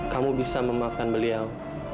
kamu bisa memaafkan beliau